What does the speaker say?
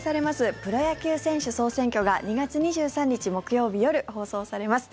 「プロ野球選手総選挙」が２月２３日木曜日夜放送されます。